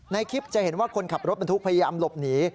ในคลิปจะเห็นว่าคนขับรถบรรทุกพยายามหลบหนี